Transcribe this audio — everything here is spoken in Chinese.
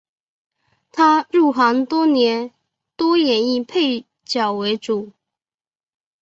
他入行多年多演绎配角为主。